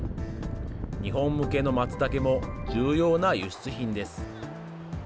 日本向けのマツタケも重要な輸出品です。